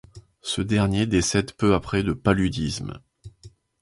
Ce dernier décède peu après de paludisme.